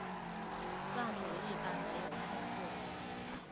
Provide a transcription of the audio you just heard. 藏族一般没有姓氏。